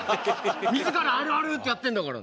自ら「あるある」ってやってんだから。